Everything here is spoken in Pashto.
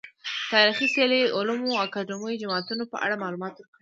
تاريخي څلي، علومو اکادميو، جوماتونه په اړه معلومات ورکړي دي .